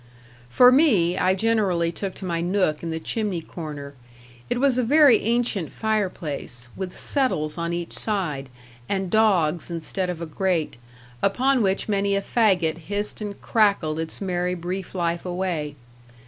For me, I generally took to my nook in the chimney corner it was a very ancient fire place, with settles on each side, and dogs instead of a grate, upon which many a faggot hissed and crackled its merry brief life away.